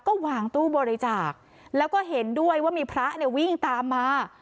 ก็วางตู้บริจาคแล้วก็เห็นด้วยว่ามีพระเนี่ยวิ่งตามมา